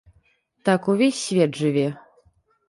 Так увесь свет жыве.